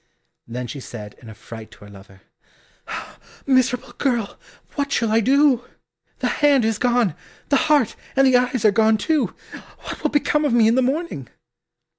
Then she said in a fright to her lover, "Ah, miserable girl, what shall I do? The hand is gone, the heart and the eyes are gone too, what will become of me in the morning?"